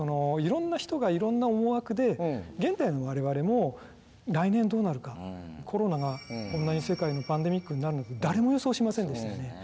いろんな人がいろんな思惑で現代の我々も来年どうなるかコロナがこんなに世界のパンデミックになるなんて誰も予想しませんでしたよね。